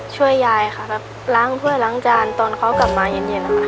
ช่วยยายค่ะแบบล้างถ้วยล้างจานตอนเขากลับมาเย็นนะคะ